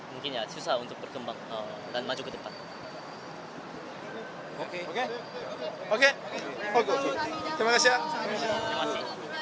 mungkin susah untuk berkembang dan maju ke depan